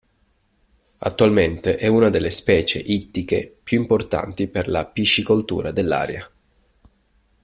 Attualmente è una delle specie ittiche più importanti per la piscicoltura dell'area.